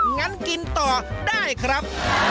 งั้นกินต่อได้ครับ